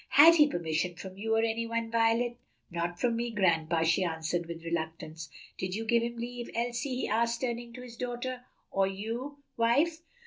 "Had he permission from you or any one, Violet?" "Not from me, grandpa," she answered with reluctance. "Did you give him leave, Elsie?" he asked, turning to his daughter. "Or you, wife?"